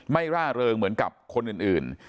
ร่าเริงเหมือนกับคนอื่น